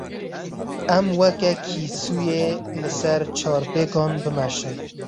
Em weke kîsoyê li ser çarpêkan bimeşin.